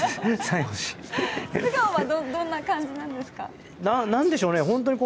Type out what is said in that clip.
素顔はどんな感じなんですか？